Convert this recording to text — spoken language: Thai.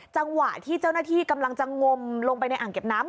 จังหวะที่เจ้าหน้าที่กำลังจะงมลงไปในอ่างเก็บน้ำ